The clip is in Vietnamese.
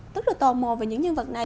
rất là tò mò về những nhân vật này